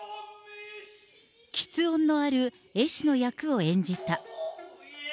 きつ音のある絵師の役を演じた。